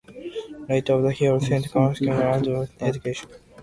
Later on he was sent to Constantinople to further his education.